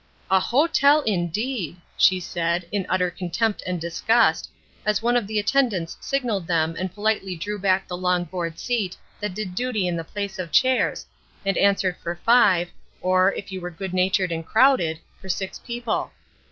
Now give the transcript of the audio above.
"A hotel, indeed!" she said, in utter contempt and disgust, as one of the attendants signaled them and politely drew back the long board seat that did duty in the place of chairs, and answered for five, or, if you were good natured and crowded, for six people.